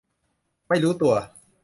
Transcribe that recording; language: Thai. ไม่รู้ตัว